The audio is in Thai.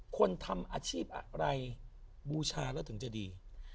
คนทำอาชีพอะไรบูชาแล้วถึงจะดี